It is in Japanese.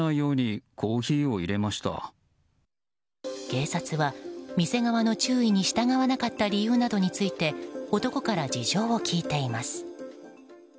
警察は店側の注意に従わなかった理由などについて男から事情を聴いています。